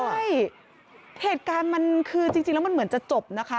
ใช่เหตุการณ์มันคือจริงแล้วมันเหมือนจะจบนะคะ